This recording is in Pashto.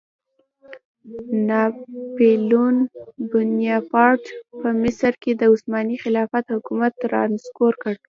ناپیلیون بناپارټ په مصر کې د عثماني خلافت حکومت رانسکور کړ.